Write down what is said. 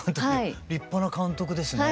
立派な監督ですね。